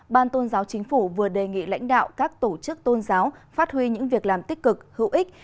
ban tôn giáo chính phủ vừa đề nghị lãnh đạo các tổ chức tôn giáo phát huy những việc làm tích cực hữu ích